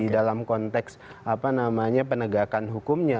dalam konteks penegakan hukumnya